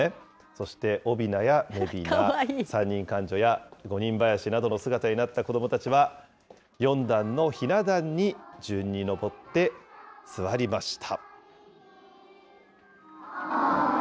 そしておびなやめびな、３人官女や五人ばやしなどの姿になった子どもたちは、４段のひな壇に順に上って座りました。